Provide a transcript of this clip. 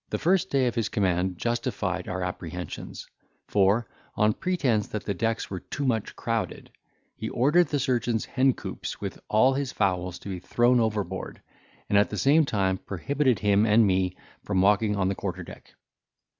The first day of his command justified our apprehensions: for, on pretence that the decks were too much crowded, he ordered the surgeon's hencoops, with all his fowls, to be thrown overboard; and at the same time prohibited him and me from walking on the quarter deck.